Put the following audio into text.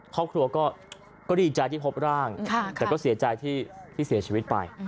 ครอบครัวก็ดีใจที่พบร่างแต่ก็เสียใจที่เสียชีวิตไป